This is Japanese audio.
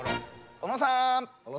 小野さん。